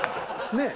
ねえ。